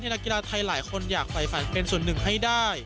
นักกีฬาไทยหลายคนอยากไฟฝันเป็นส่วนหนึ่งให้ได้